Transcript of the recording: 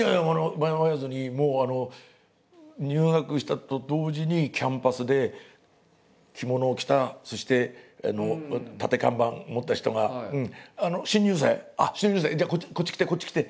迷わずにもう入学したと同時にキャンパスで着物を着たそして立て看板持った人が「新入生？新入生じゃあこっち来てこっち来て。